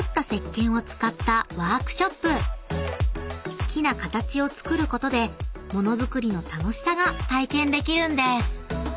［好きな形を作ることでものづくりの楽しさが体験できるんです］